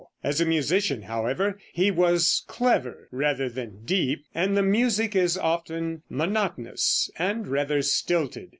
As a musician, however, he was clever rather than deep, and the music is often monotonous and rather stilted.